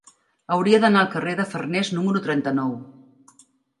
Hauria d'anar al carrer de Farnés número trenta-nou.